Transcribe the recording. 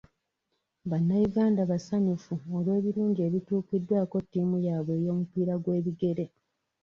Bannayuganda basanyufu olw'ebirungi ebituukiddwako ttiimu yaabwe ey'omupiira gw'ebigere.